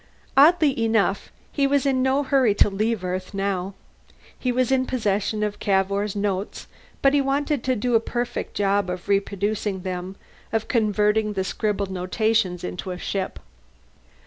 Oddly enough, he was in no hurry to leave Earth now. He was in possession of Cavour's notes, but he wanted to do a perfect job of reproducing them, of converting the scribbled notations into a ship.